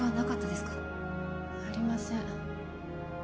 ありません。